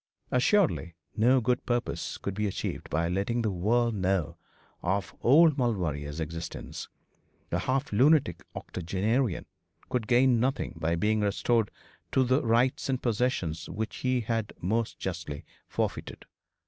Assuredly no good purpose could be achieved by letting the world know of old Lord Maulevrier's existence. A half lunatic octogenarian could gain nothing by being restored to rights and possessions which he had most justly forfeited.